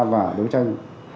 và đấu tranh